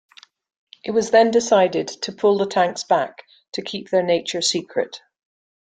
It was then decided to pull the tanks back to keep their nature secret.